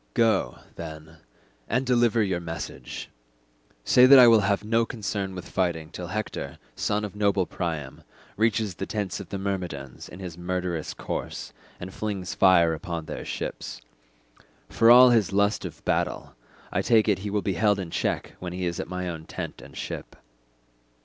Go, then, and deliver your message; say that I will have no concern with fighting till Hector, son of noble Priam, reaches the tents of the Myrmidons in his murderous course, and flings fire upon their ships. For all his lust of battle, I take it he will be held in check when he is at my own tent and ship."